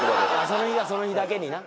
その日がその日だけにな。